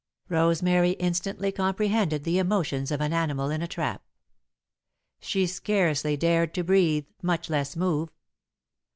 Rosemary instantly comprehended the emotions of an animal in a trap. She scarcely dared to breathe, much less move.